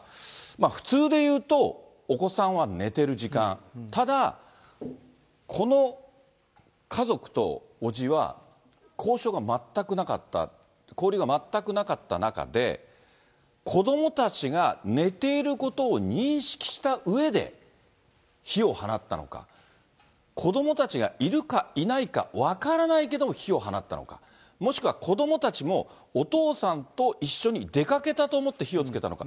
普通でいうと、お子さんは寝てる時間、ただ、この家族と伯父は交渉が全くなかった、交流が全くなかった中で、子どもたちが寝ていることを認識したうえで、火を放ったのか、子どもたちがいるかいないか分からないけれども、火を放ったのか、もしくは子どもたちもお父さんと一緒に出かけたと思って、火をつけたのか。